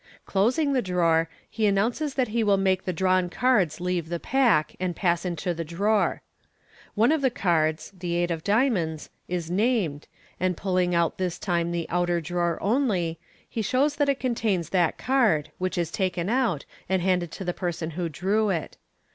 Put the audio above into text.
Closing the drawer, he announces that he will make the drawn cards leave the pack, and pass into the drawer. One of the cards (the eight of diamonds) is named, and pulling out this time the outer drawer only, he shows that it contains that card, which is taken out, and handed to the per son who drew it.